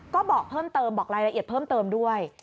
ก็บอกเพิ่มเติมบอกรายละเอียดเพิ่มเติมด้วย